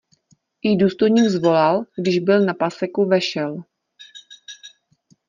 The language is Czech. I důstojník zvolal, když byl na paseku vešel.